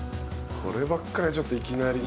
こればっかりはちょっといきなりね。